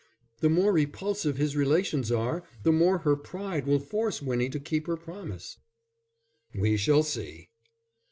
"The more repulsive his relations are, the more her pride will force Winnie to keep her promise." "We shall see."